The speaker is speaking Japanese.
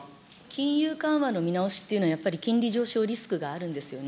金融緩和の見直しっていうのは、やっぱり金利上昇リスクがあるんですよね。